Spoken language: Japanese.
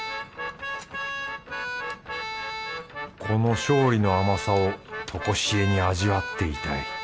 この勝利の甘さをとこしえに味わっていたい